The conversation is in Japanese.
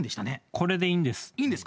これでいいんです。